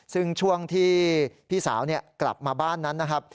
ซึ่งช่วงที่พี่สาวกลับมาบ้านนั้นนะครับ